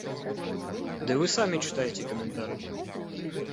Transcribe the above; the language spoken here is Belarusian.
Ды вы самі чытаеце каментары.